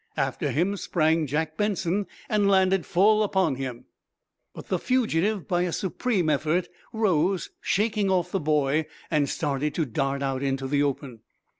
After him sprang Jack Benson, and landed full upon him. But the fugitive, by a supreme effort fear, rose, shaking off the boy, and started to dart out into the open.